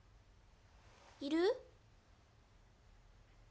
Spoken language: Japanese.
いる？